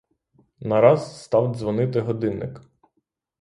Нараз став дзвонити годинник.